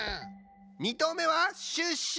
２とうめはシュッシュ！